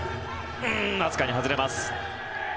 わずかに外れます。